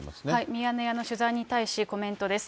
ミヤネ屋の取材に対し、コメントです。